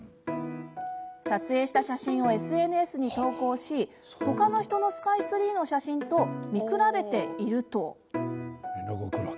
撮影した写真をＳＮＳに投稿し他の人のスカイツリーの写真と見比べていると。